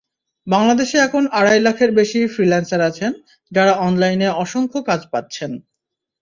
বাংলাদেশে এখন আড়াই লাখের বেশি ফ্রিল্যান্সার আছেন, যাঁরা অনলাইনে অসংখ্য কাজ পাচ্ছেন।